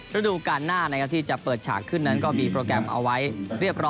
ระดูกาลหน้าที่จะเปิดฉากขึ้นนั้นก็มีโปรแกรมเอาไว้เรียบร้อยนะครับ